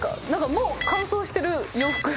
もう乾燥してる洋服。